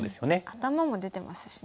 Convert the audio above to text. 頭も出てますしね。